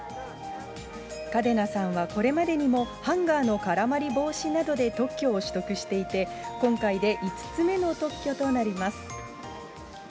嘉手納さんはこれまでにもハンガーの絡まり防止などで特許を取得していて、今回で５つ目の特許となります。